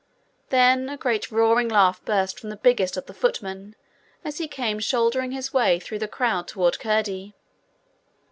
Then a great roaring laugh burst from the biggest of the footmen as he came shouldering his way through the crowd toward Curdie.